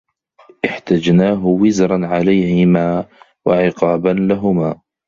احْتَجْنَاهُ وِزْرًا عَلَيْهِمَا ، وَعِقَابًا لَهُمَا